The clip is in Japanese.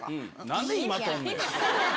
何で今撮んねん！